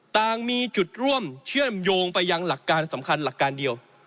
ต่างมีจุดร่วมเชื่อมโยงไปยังหลักการสำคัญหลักการเดียว